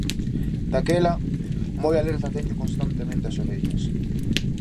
Daquela, moi alerta teño constantemente as orellas!